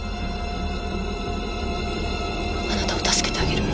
あなたを助けてあげる。